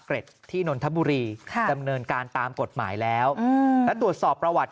ที่นนทบุรีดำเนินการตามกฎหมายแล้วแล้วตรวจสอบประวัติ